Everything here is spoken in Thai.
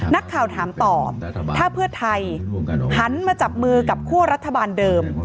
นักข่าวถามต่อถ้าเพื่อไทยหันมาจับมือกับคั่วรัฐบาลเดิม